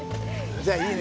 じゃいいね